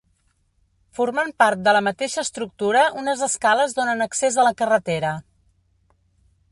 Formant part de la mateixa estructura unes escales donen accés a la carretera.